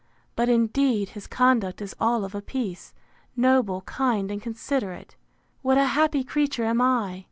But, indeed, his conduct is all of a piece, noble, kind, and considerate! What a happy creature am I!